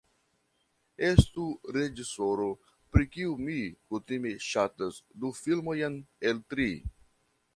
Estu reĝisoro, pri kiu mi kutime ŝatas du filmojn el tri.